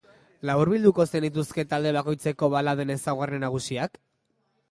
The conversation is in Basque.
Laburbilduko zenituzke talde bakoitzeko baladen ezaugarri nagusiak?